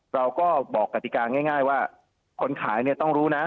เราก็บอกกติกาง่ายว่าคนขายเนี่ยต้องรู้นะ